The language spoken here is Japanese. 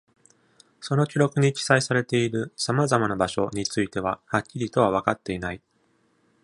その記録に記載されている「様々な場所」については、はっきりとは分かっていない。